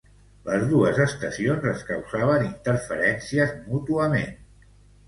Les dos estacions es causaven interferències mútuament.